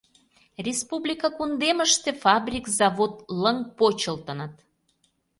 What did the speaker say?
Республика кундемыште фабрик-завод лыҥ почылтыныт.